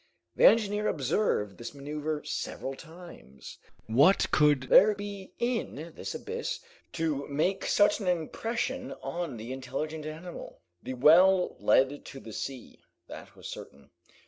The engineer observed this maneuver several times. What could there be in this abyss to make such an impression on the intelligent animal? The well led to the sea, that was certain.